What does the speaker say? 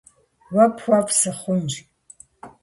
- Уэ пхуэфӏ сыхъунщ.